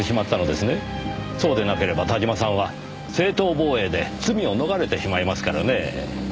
そうでなければ田島さんは正当防衛で罪を逃れてしまいますからね。